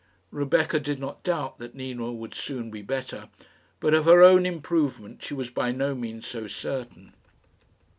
Rebecca did not doubt that Nina would soon be better, but of her own improvement she was by no means so certain.